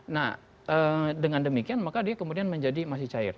nah dengan demikian maka dia kemudian menjadi masih cair